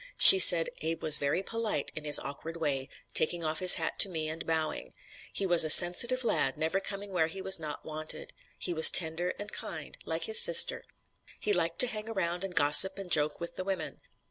She said "Abe was very polite, in his awkward way, taking off his hat to me and bowing. He was a sensitive lad, never coming where he was not wanted. He was tender and kind like his sister. "He liked to hang around and gossip and joke with the women.